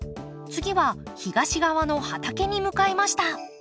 次は東側の畑に向かいました。